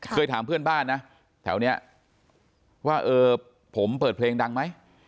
เคยถามเพื่อนบ้านนะแถวนี้ว่าเออผมเปิดเพลงดังไหม